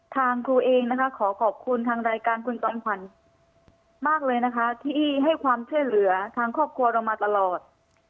ทางครูเองนะคะขอขอบคุณทางรายการคุณจอมขวัญมากเลยนะคะที่ให้ความช่วยเหลือทางครอบครัวเรามาตลอด